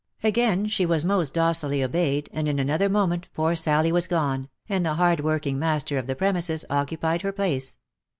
Again she was most docilely obeyed, and in another moment poor Sally was gone, and the hardworking master of the premises occupied her place.